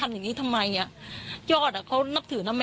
รู้จักสนิทกันด้วยรู้จักกันดีด้วย